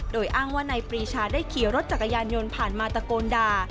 โดยอ้างว่านายปรีชาได้ขี่รถจักรยานยนต์ผ่านมาตะโกนด่า